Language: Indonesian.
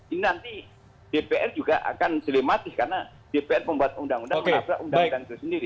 ini nanti dpr juga akan dilematis karena dpr membuat undang undang merasa undang undang itu sendiri